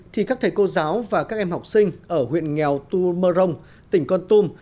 thì các thầy cô giáo và các em học sinh ở huyện nghèo tu mơ rồng tỉnh con tum